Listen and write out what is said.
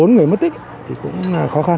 bốn người mất tích cũng khó khăn